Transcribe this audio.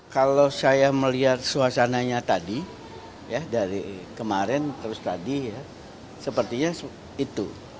kalau saya melihat suasananya tadi ya dari kemarin terus tadi ya sepertinya itu